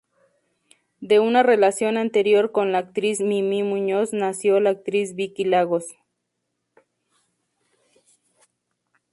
De una relación anterior con la actriz Mimí Muñoz nació la actriz Vicky Lagos.